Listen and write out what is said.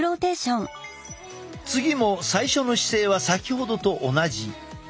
次も最初の姿勢は先ほどと同じ。